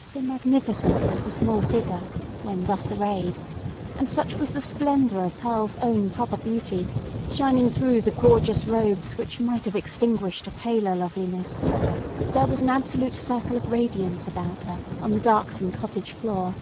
So magnificent was the small figure when thus arrayed, and such was the splendour of Pearl's own proper beauty, shining through the gorgeous robes which might have extinguished a paler loveliness, that there was an absolute circle of radiance around her on the darksome cottage floor.